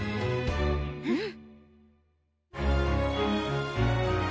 うん！